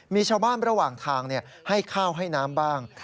มีชาวบ้านระหว่างทางให้ข้าวให้น้ำบ้าง